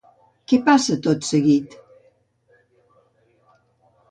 Què passa, tot seguit?